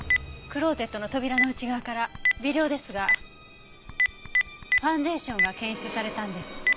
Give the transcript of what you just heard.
クローゼットの扉の内側から微量ですがファンデーションが検出されたんです。